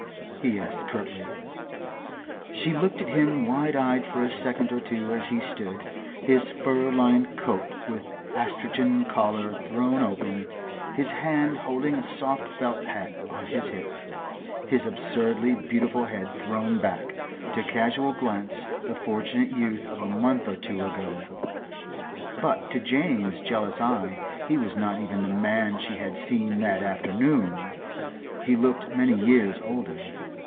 he asked curtly. She looked at him wide eyed for a second or two as he stood, his fur lined coat with astrachan collar thrown open, his hand holding a soft felt hat on his hip, his absurdly beautiful head thrown back, to casual glance the Fortunate Youth of a month or two ago. But to Jane's jealous eye he was not even the man she had seen that afternoon. He looked many years older.